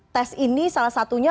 tes ini salah satunya